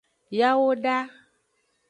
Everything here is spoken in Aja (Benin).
Yawoda.